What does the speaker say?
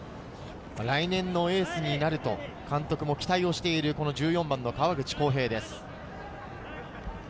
来年のエースになると監督も期待している川口航平です。